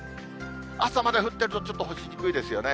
朝はまだ降っているとちょっと干しにくいですよね。